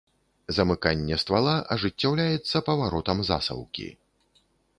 Замыканне ствала ажыццяўляецца паваротам засаўкі.